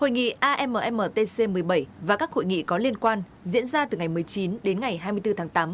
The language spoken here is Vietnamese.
hội nghị ammtc một mươi bảy và các hội nghị có liên quan diễn ra từ ngày một mươi chín đến ngày hai mươi bốn tháng tám